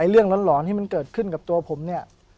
เรื่องร้อนที่มันเกิดขึ้นกับตัวผมเนี่ย